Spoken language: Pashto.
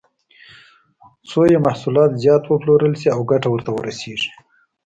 څو یې محصولات زیات وپلورل شي او ګټه ورته ورسېږي.